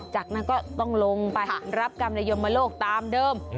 จากนั้นก็ต้องลงไปรับกรรมนยมโลกตามเดิม